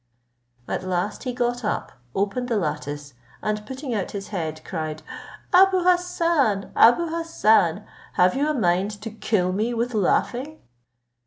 At last he got up, opened the lattice, and putting out his head, cried "Abou Hassan, Abou Hassan, have you a mind to kill me with laughing?"